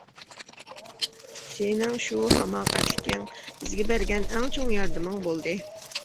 سېنىڭ شۇ ھاماقەتلىكىڭ بىزگە بەرگەن ئەڭ چوڭ ياردىمىڭ بولدى.